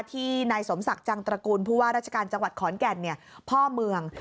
ที่นายสมศักดิ์จังตระกูลผู้ว่าราชการจังหวัดขอนแก่นพ่อเมือง